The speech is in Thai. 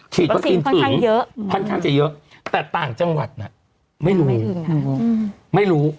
ฉีดวัคซีนฝืนเยอะค่อนข้างจะเยอะแต่ต่างจังหวัดน่ะไม่รู้ไม่รู้